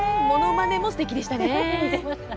ものまねもすてきでした。